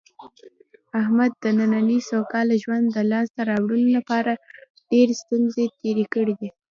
احمد د نننۍ سوکاله ژوند د لاسته راوړلو لپاره ډېرې ستونزې تېرې کړې دي.